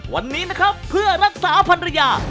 วันนี้นะครับเพื่อรักษาพันรยา